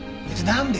なんで。